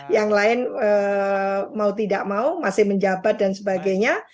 yang lain mau tidak mau masih menjabat dan sebagainya